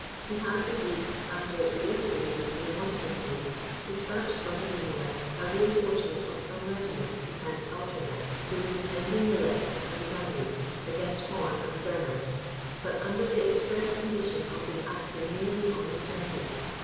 He had, indeed, after reiterated remonstrances, despatched from Bohemia a reinforcement of some regiments to Count Altringer, who was defending the Lech and the Danube against Horn and Bernard, but under the express condition of his acting merely on the defensive.